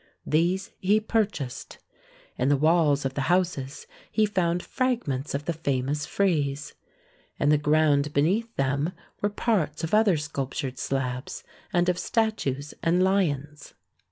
These he purchased. In the walls of the houses he found fragments of the famous frieze. In the ground beneath them were parts of other sculptured slabs, and of statues and lions.